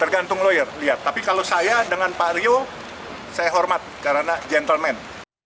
tergantung lawyer lihat tapi kalau saya dengan pak rio saya hormat karena gentleman